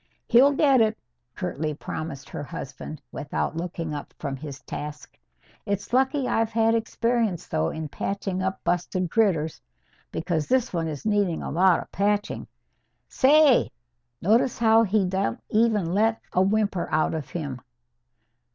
"He'll get it," curtly promised her husband, without looking up from his task. "It's lucky I've had experience, though, in patching up busted critters. Because this one is needing a lot of patching. Say! Notice how he don't even let a whimper out of him?